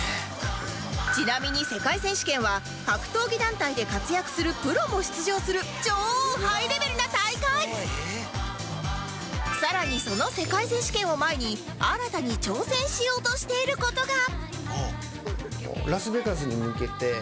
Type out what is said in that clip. ちなみに世界選手権は格闘技団体で活躍するプロも出場するさらにその世界選手権を前に新たに挑戦しようとしている事が